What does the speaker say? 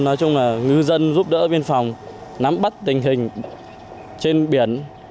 nói chung là ngư dân giúp đỡ biên phòng nắm bắt tình hình trên biển